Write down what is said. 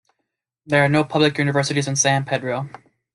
There are no public universities in San Pedro.